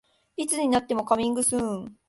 いつになってもカミングスーン